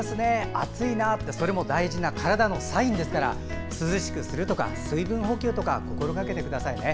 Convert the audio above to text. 暑いなってそれも大事な体のサインですから涼しくするとか水分補給とか心がけてくださいね。